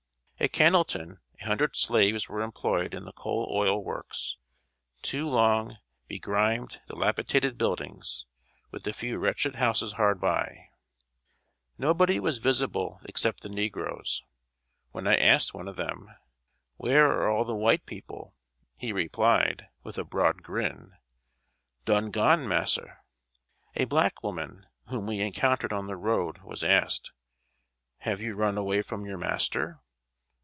] At Cannelton, a hundred slaves were employed in the coal oil works two long, begrimed, dilapidated buildings, with a few wretched houses hard by. Nobody was visible, except the negroes. When I asked one of them "Where are all the white people?" he replied, with a broad grin "Done gone, mass'r." A black woman, whom we encountered on the road, was asked: "Have you run away from your master?"